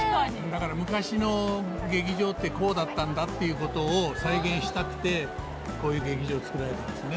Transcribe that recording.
だから昔の劇場ってこうだったんだっていうことを再現したくてこういう劇場作られたんですね。